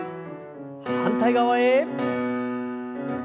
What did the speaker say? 反対側へ。